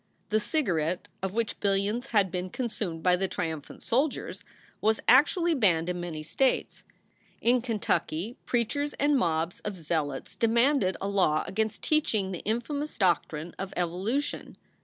The cigarette, of which billions had been consumed by the triumphant soldiers, was actually banned in many states. In Kentucky, preachers and mobs of zealots demanded a law 2 gainst teaching the infamous doctrine of evolution.